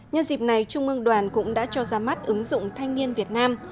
nhân dịp này trung ương đoàn cũng đã cho ra mắt ứng dụng thanh niên việt nam